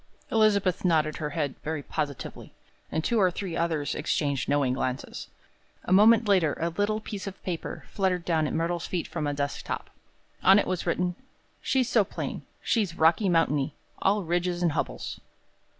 Elizabeth nodded her head very positively, and two or three others exchanged knowing glances. A moment later a little piece of paper fluttered down at Myrtle's feet from a desk top. On it was written: "She's so plain. She's Rocky Mountainy all ridges and hubbles."